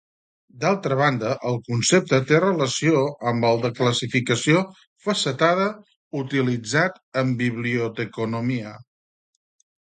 D'altra banda, el concepte té relació amb el de classificació facetada utilitzat en biblioteconomia.